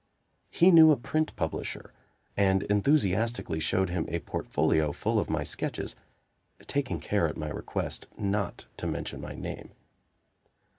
He knew a print publisher, and enthusiastically showed him a portfolio full of my sketches, taking care at my request not to mention my name.